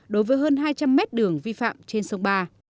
đối với hơn hai trăm linh mét đường vi phạm trên sông ba